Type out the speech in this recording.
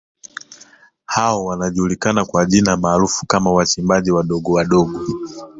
Hao wanajulikana kwa jina maarufu kama wachimbaji wadogo wadogo